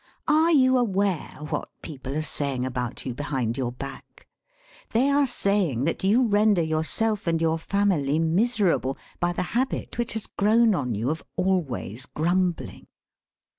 Are you aware what people are saying about you behind your back? They are saying that you render yourself and your family miserable by the habit which has grown on you of always grumbling.